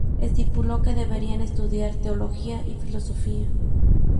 Estipuló que deberían estudiar teología y filosofía.